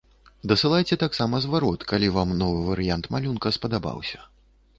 Дасылайце таксама зварот, калі вам новы варыянт малюнка спадабаўся.